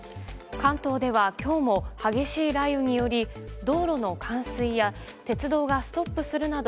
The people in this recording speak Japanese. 関東では今日も激しい雷雨により道路の冠水や鉄道がストップするなど